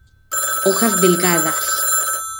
Hojas delgadas.